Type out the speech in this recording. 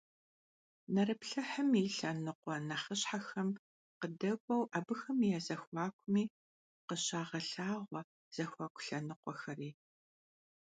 Нэрыплъыхьым и лъэныкъуэ нэхъыщхьэхэм къыдэкӀуэу абыхэм я зэхуакуми къыщагъэлъагъуэ зэхуаку лъэныкъуэхэри.